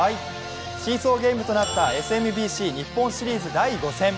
シーソーゲームとなったＳＭＢＣ日本シリーズ第５戦。